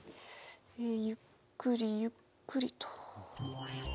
ゆっくりゆっくりと。